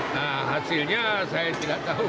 nah hasilnya saya tidak tahu